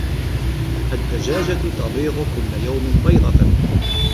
الدَّجاجَةُ تَبِيضُ كُلَّ يَوْمٍ بيضةً.